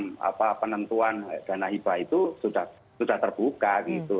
di dalam penentuan dana hibah itu sudah terbuka gitu